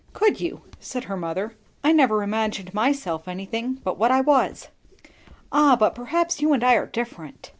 "Could you?" said her mother. "I never imagined myself anything but what I was." "Ah, but perhaps you and I are different."